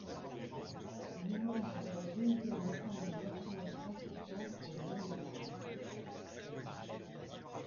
Il est membre de la deuxième Assemblée nationale constituante pour le Maine-et-Loire.